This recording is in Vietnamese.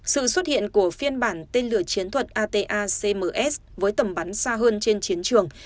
sự xuất hiện của phiên bản tên lửa chiến thuật atams với tầm bắn xa hơn trên chiến trường